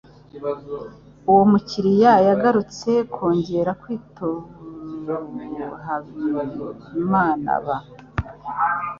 Uwo mukiriya yagarutse kongera kwitohabimanaba.